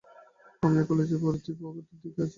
অমিয়া কলেজে ভরতি হবার উদ্যোগে আছে।